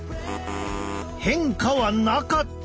変化はなかった！